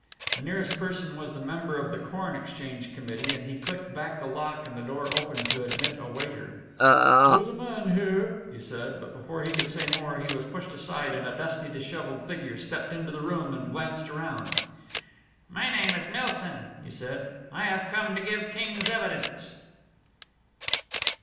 The nearest person was the member of the Corn Exchange Committee, and he clicked back the lock and the door opened to admit a waiter. "There's a man here " he said; but before he could say more he was pushed aside and a dusty, dishevelled figure stepped into the room and glanced round. "My name is Milsom," he said. "I have come to give King's Evidence!"